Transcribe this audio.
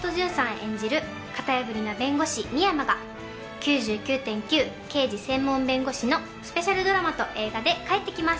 演じる型破りな弁護士・深山が「９９．９−刑事専門弁護士−」のスペシャルドラマと映画で帰ってきます